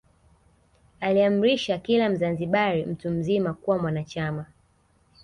Aliamrisha kila Mzanzibari mtu mzima kuwa mwanachama